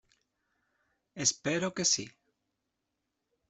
Espero que sí.